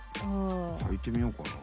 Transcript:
はいてみようかな。